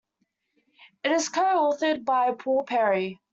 It is co-authored by Paul Perry.